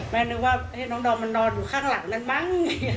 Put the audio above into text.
นึกว่าน้องดอมมันนอนอยู่ข้างหลังนั้นมั้ง